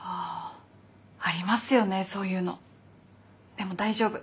でも大丈夫。